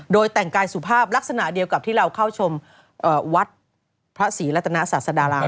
โดยแต่งกายสุภาพลักษณะเดียวกับที่เราเข้าชมวัดพระศรีรัตนาศาสดาราม